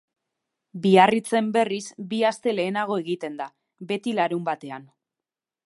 Biarritzen, berriz, bi aste lehenago egiten da, beti larunbatean.